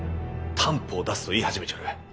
担保を出せ」と言い始めちょる。